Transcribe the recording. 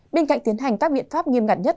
bên cạnh tiến hành các biện pháp nghiêm ngặt nhất